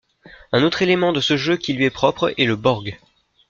Un autre élément de ce jeu qui lui est propre, est le borg.